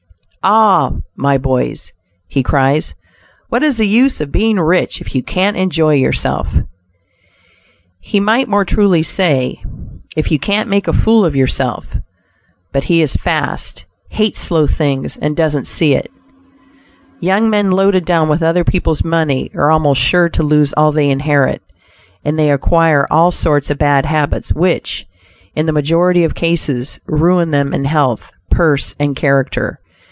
"Ah! my boys," he cries, "what is the use of being rich, if you can't enjoy yourself?" He might more truly say, "if you can't make a fool of yourself;" but he is "fast," hates slow things, and doesn't "see it." Young men loaded down with other people's money are almost sure to lose all they inherit, and they acquire all sorts of bad habits which, in the majority of cases, ruin them in health, purse and character.